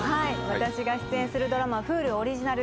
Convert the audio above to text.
私が出演するドラマＨｕｌｕオリジナル